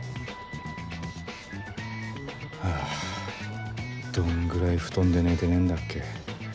あぁどんぐらい布団で寝てねえんだっけ